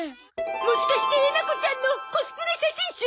もしかしてえなこちゃんのコスプレ写真集！？